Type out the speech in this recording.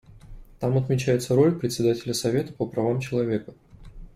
Там отмечается роль Председателя Совета по правам человека.